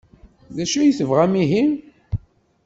D acu ay tebɣam ihi?